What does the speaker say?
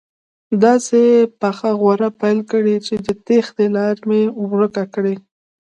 داسې پخه غوره پیل کړي چې د تېښتې لاره مې ورکه کړي.